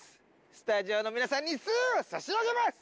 スタジオの皆さんにスーを差し上げます